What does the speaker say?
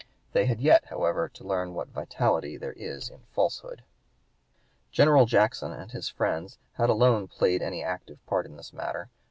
They had yet, however, to learn what vitality there is in falsehood. General Jackson and his friends had alone played any active part in this matter.